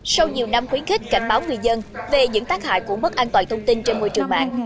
sau nhiều năm khuyến khích cảnh báo người dân về những tác hại của mất an toàn thông tin trên môi trường mạng